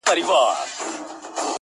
ښاا ځې نو.